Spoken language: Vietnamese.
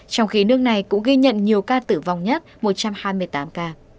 trong khi nước này cũng ghi nhận nhiều ca tử vong nhất một trăm hai mươi tám ca